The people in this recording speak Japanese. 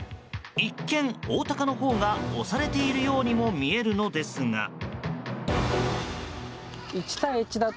一見、オオタカのほうが押されているようにも見えるのですが。